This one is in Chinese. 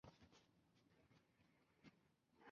日本京都帝国大学经济学专攻毕业。